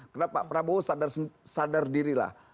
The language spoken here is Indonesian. karena pak prabowo sadar diri lah